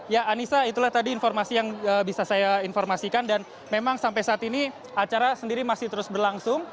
ya anissa itulah tadi informasi yang bisa saya informasikan dan memang sampai saat ini acara sendiri masih terus berlangsung